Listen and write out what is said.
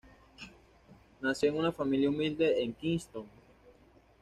Nació en una familia humilde en Kingston.